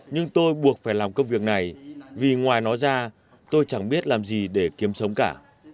nhưng tôi buộc phải làm công việc này vì ngoài nó ra tôi chẳng biết làm gì để kiếm sống cả